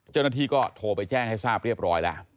เจ้าหน้าที่ก็โทรไปแจ้งให้ทราบเรียบร้อยแล้ว